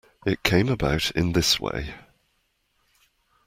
It came about in this way.